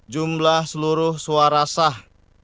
jumlah seluruh suara sah